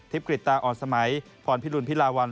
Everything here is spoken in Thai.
กริตตาอ่อนสมัยพรพิรุณพิลาวัน